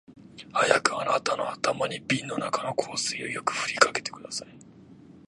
早くあなたの頭に瓶の中の香水をよく振りかけてください